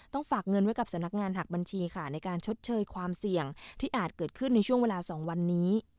ฝากเงินไว้กับสำนักงานหักบัญชีค่ะในการชดเชยความเสี่ยงที่อาจเกิดขึ้นในช่วงเวลา๒วันนี้